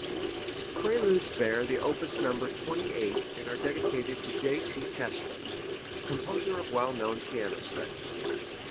The Preludes bear the opus number 28 and are dedicated to J. C. Kessler, a composer of well known piano studies.